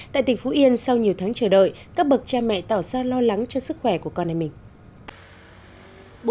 tại tỉnh phú yên sau nhiều tháng chờ đợi các bậc cha mẹ tỏ ra lo lắng cho sức khỏe của con em mình